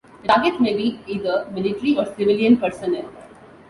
The targets may be either military or civilian personnel.